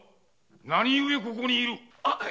何故ここにいる。